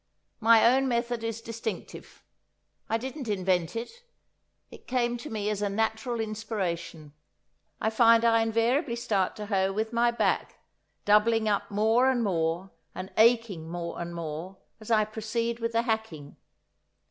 My own method is distinctive; I didn't invent it, it came to me as a natural inspiration. I find I invariably start to hoe with my back, doubling up more and more, and aching more and more, as I proceed with the hacking.